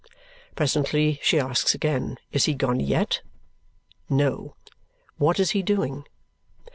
Presently she asks again, is he gone YET? No. What is he doing?